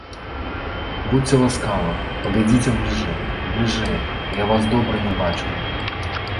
Будзьце ласкавы, падыдзіце бліжэй, бліжэй, я вас добра не бачыла.